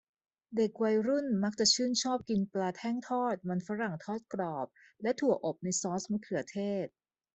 เด็กวัยรุ่นมักจะชื่นชอบกินปลาแท่งทอด มันฝรั่งทอดกรอบ และถั่วอบในซอสมะเขือเทศ